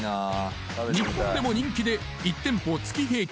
日本でも人気で１店舗月平均